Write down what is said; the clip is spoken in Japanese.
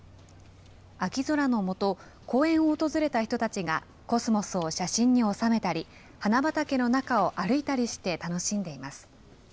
秋空の下、公園を訪れた人たちがコスモスを写真に収めたり、花畑の中を歩いたりして楽しんでいます。